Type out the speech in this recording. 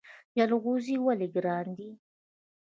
جلغوزي ولې ګران دي؟